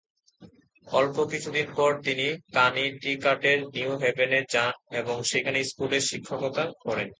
অল্প কিছুদিন পর তিনি কানেটিকাটের নিউ হ্যাভেনে যান এবং সেখানে স্কুলে শিক্ষকতা করেন।